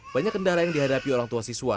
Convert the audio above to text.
banyak kendara yang dihadapi orang tua siswa